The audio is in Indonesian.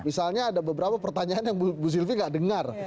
misalnya ada beberapa pertanyaan yang bu sylvi tidak dengar